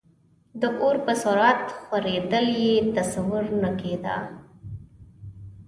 د اور په سرعت خورېدل یې تصور نه کېده.